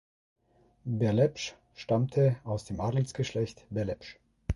Berlepsch stammte aus dem Adelsgeschlecht Berlepsch.